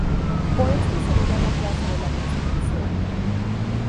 Por esto se la llama "Plaza de la Constitución".